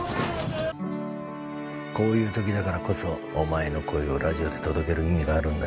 こういう時だからこそお前の声をラジオで届ける意味があるんだよ。